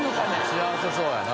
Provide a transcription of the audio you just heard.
幸せそうやな。